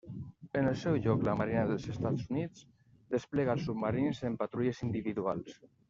En el seu lloc, la Marina dels Estats Units desplega els submarins en patrulles individuals.